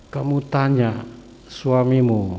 kamu tanya suamimu